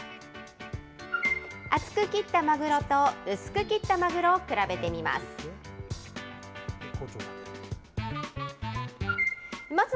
厚く切ったマグロと、薄く切ったマグロを比べてみます。